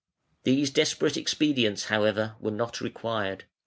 These desperate expedients, however, were not required.